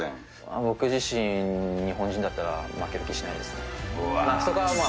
僕自身、日本人だったら、負ける気しないですね。